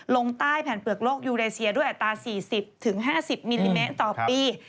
ลงใต้แผ่นเปลือกโลกยูเลเซียด้วยอัตรา๔๐๕๐มิลลิเมตรต่อปี